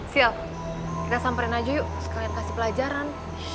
sial kita samperin aja yuk kalian kasih pelajaran